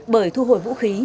bởi thu hồi vũ khí